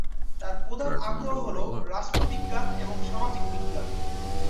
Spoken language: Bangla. তার প্রধান আগ্রহ হলো রাষ্ট্রবিজ্ঞান এবং সামাজিক বিজ্ঞান।